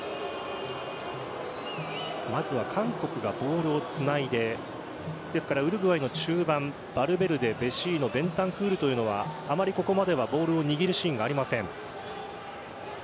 まずは韓国がボールをつないでウルグアイの中盤ヴァルヴェルデ、ヴェシーノベンタンクールというのはあまりここまではボールを握るシーンがありません。